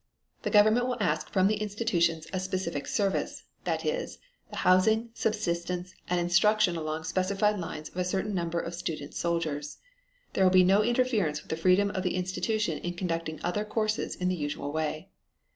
The government will ask from the institutions a specific service; that is, the housing, subsistence, and instruction along specified lines of a certain number of student soldiers. There will be no interference with the freedom of the institution in conducting other courses in the usual way.